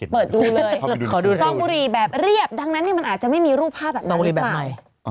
เปิดดูเลยซองบุหรี่แบบเรียบดังนั้นมันอาจจะไม่มีรูปภาพแบบนี้หรือเปล่า